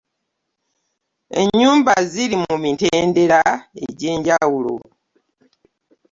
Ennyumba ziri mu mitendera egy'enjawulo